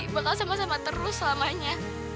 bakal sama sama terus selamanya